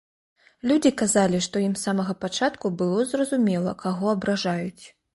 Людзі казалі, што ім з самага пачатку было зразумела, каго абражаюць.